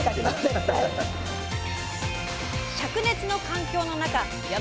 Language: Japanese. しゃく熱の環境の中山